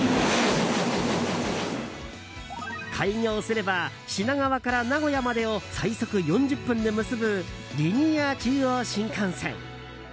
開業すれば品川から名古屋までを最速４０分で結ぶリニア中央新幹線！